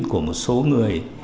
của một số người